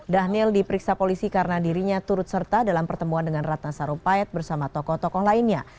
dhanil diperiksa polisi karena dirinya turut serta dalam pertemuan dengan ratna sarumpait bersama tokoh tokoh lainnya